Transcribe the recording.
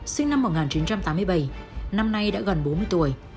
sinh năm một nghìn chín trăm tám mươi bảy năm nay đã gần bốn mươi tuổi